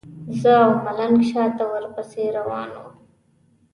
زه او ملنګ شاته ورپسې روان وو.